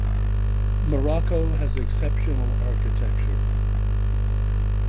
Morocco has exceptional architecture.